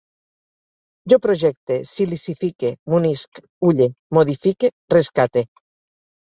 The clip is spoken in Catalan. Jo projecte, silicifique, munisc, ulle, modifique, rescate